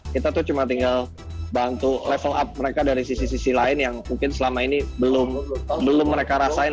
kita tuh cuma tinggal bantu level up mereka dari sisi sisi lain yang mungkin selama ini belum mereka rasain